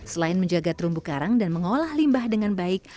selain menjaga terumbu karang dan mengolah limbah dengan baik